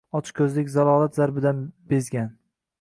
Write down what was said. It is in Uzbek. Ochko’zlik, zalolat zarbidan bezgan